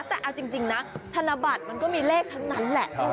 แต่เอาจริงนะธนบัตรมันก็มีเลขทั้งนั้นแหละ